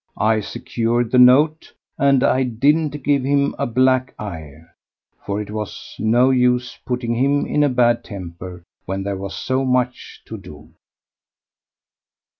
I secured the note and I didn't give him a black eye, for it was no use putting him in a bad temper when there was so much to do.